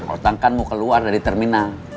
utang kan mau keluar dari terminal